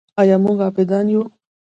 آیا موږ عابدان یو؟